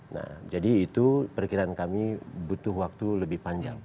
nah jadi itu perkiraan kami butuh waktu lebih panjang